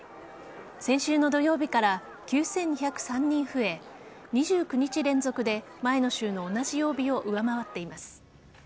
先週の土曜日から９２０３人増え２９日連続で前の週の同じ曜日を上回っています。